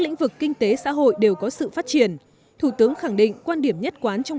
lĩnh vực kinh tế xã hội đều có sự phát triển thủ tướng khẳng định quan điểm nhất quán trong